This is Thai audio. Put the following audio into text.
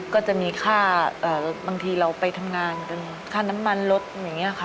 ก็จะมีค่าบางทีเราไปทำงานจนค่าน้ำมันลดอย่างนี้ค่ะ